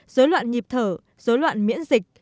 dối loạn nhịp thở dối loạn miễn dịch